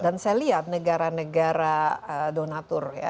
dan saya lihat negara negara donatur ya